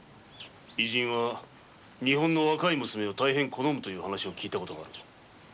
異人は日本の若い娘を大変好むという話を聞いた事がある。